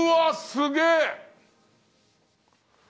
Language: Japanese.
すげえ！